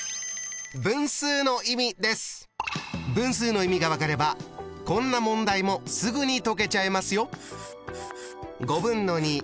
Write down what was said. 分数の意味が分かればこんな問題もすぐに解けちゃいますよ。